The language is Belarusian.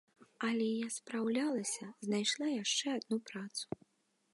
Але я спраўлялася, знайшла яшчэ адну працу.